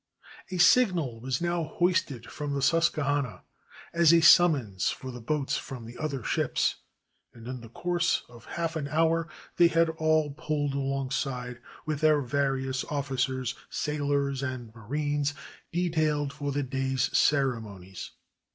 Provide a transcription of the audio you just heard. ... A signal was now hoisted from the Susquehanna as a summons for the boats from the other ships, and in the course of half an hour they had all pulled alongside with their various officers, sailors, and marines, detailed for the day's ceremonies.